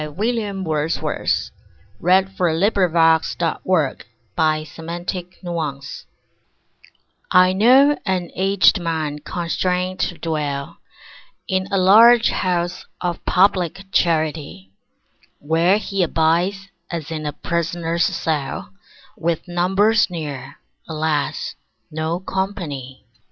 William Wordsworth I Know an Aged Man Constrained to Dwell I KNOW an aged Man constrained to dwell In a large house of public charity, Where he abides, as in a Prisoner's cell, With numbers near, alas! no company.